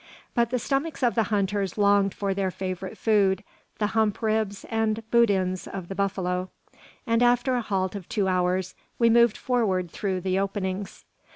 But the stomachs of the hunters longed for their favourite food, the hump ribs and boudins of the buffalo; and after a halt of two hours, we moved forward through the openings.